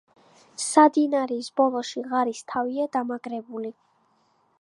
სადინარის ბოლოში ღარის თავია დამაგრებული.